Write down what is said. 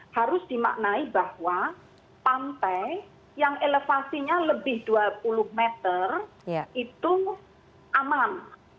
harus dimaknai bahwa pantai yang elevasinya lebih dua puluh meter itu aman